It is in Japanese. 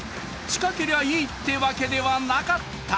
近けりゃいいってわけではなかった。